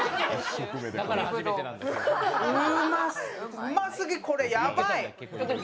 うますぎ、これヤバい。